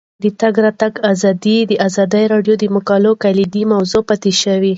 د تګ راتګ ازادي د ازادي راډیو د مقالو کلیدي موضوع پاتې شوی.